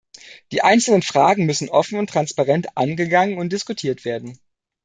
Die einzelnen Fragen müssen offen und transparent angegangen und diskutiert werden.